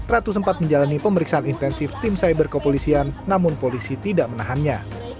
ratu sempat menjalani pemeriksaan intensif tim cyber kepolisian namun polisi tidak menahannya